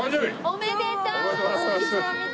おめでとう！